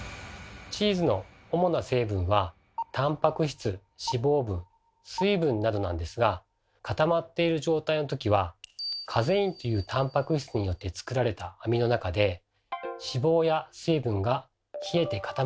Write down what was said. チーズの主な成分はたんぱく質脂肪分水分などなんですが固まっている状態のときはカゼインというたんぱく質によって作られた網の中で脂肪や水分が冷えて固まっているんです。